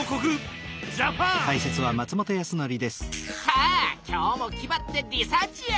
さあ今日も気ばってリサーチや！